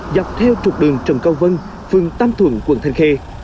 dọc theo trục đường trần cao vân phường tam thuận quận thành khê